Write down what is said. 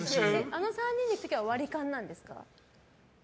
あの３人の時は割り勘なんですか？